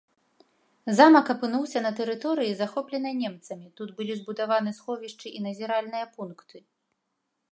Замак апынуўся на тэрыторыі, захопленай немцамі, тут былі збудаваны сховішчы і назіральныя пункты.